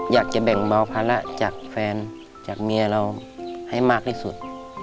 อยากจะแบ่งเบาภาระจากแฟนจากเมียเราให้มากที่สุด